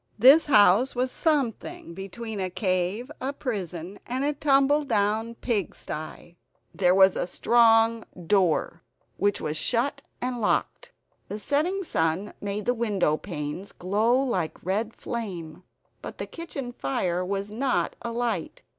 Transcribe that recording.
This house was something between a cave, a prison, and a tumbledown pigsty. There was a strong door, which was shut and locked. The setting sun made the window panes glow like red flame; but the kitchen fire was not alight.